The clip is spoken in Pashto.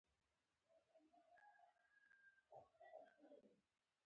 ایا ستاسو امنیت به خوندي شي؟